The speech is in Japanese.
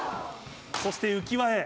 そして浮輪へ。